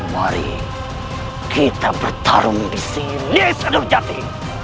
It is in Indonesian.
mari kita bertarung di sini shannurjati